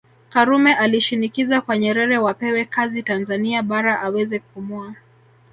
Karume alishinikiza kwa Nyerere wapewe kazi Tanzania Bara aweze kupumua